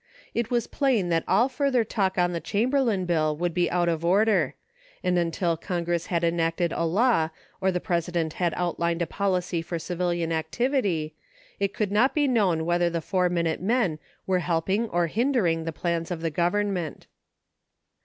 It was plain that all further talk on the Chamberlain bill would be out of order ; and until Congress had enacted a law or the President had out lined a policy for civilian activity, it could not be known whether the Four Minute Men were helping or hinder ing the plans of the Government.